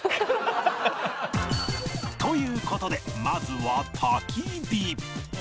という事でまずは焚き火